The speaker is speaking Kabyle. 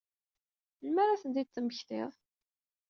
Melmi ara ad ten-id-temmektiḍ?